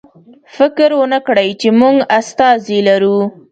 فکر ونکړئ چې موږ استازی لرو.